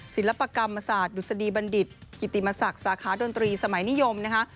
ศิลปกรรมศาสตร์ดุษฎีบัณฑิตกิติมศักดิ์สาขาดนตรีสมัยนิยมนะคะ